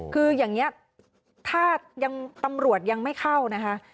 คืออย่างนี้ถ้ายังตำรวจยังไม่เข้านะคะ